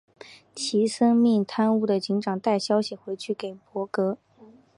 齐森命贪污的警长带消息回去给柏格。